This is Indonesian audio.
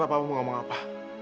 terserah pak mau ngomong apa